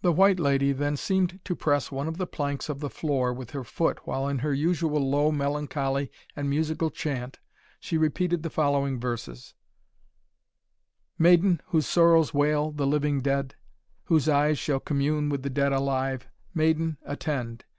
The White Lady then seemed to press one of the planks of the floor with her foot, while, in her usual low, melancholy, and musical chant, she repeated the following verses: "Maiden, whose sorrows wail the Living Dead, Whose eyes shall commune with the Dead Alive, Maiden, attend!